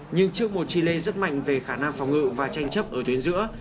nhưng trước một chile rất mạnh về khả năng phòng ngự và tranh chấp ở tuyến giữa